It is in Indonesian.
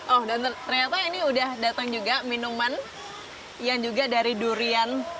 oh dan ternyata ini udah datang juga minuman yang juga dari durian